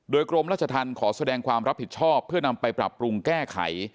โดยกรมราชธรรมขอแสดงความรับผิดชอบเพื่อนำไปปรับปรุงแก้ไข